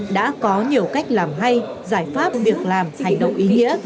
đã có nhiều cách làm hay giải pháp việc làm hành động ý nghĩa